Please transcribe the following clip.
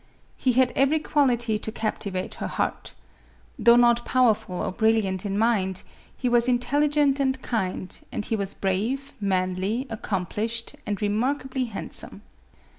He had every quality to capti vate her heart. Though not powerful or brilliant in mind, he was intelligent and kind ; and he was brave, manly, accomplished and remarkably handsome.